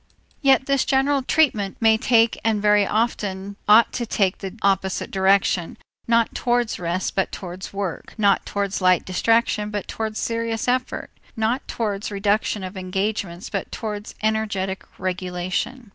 Yet this general treatment may take and very often ought to take the opposite direction, not towards rest but towards work, not towards light distraction but towards serious effort, not towards reduction of engagements but towards energetic regulation.